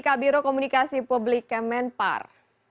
kabiro komunikasi publik kemenpar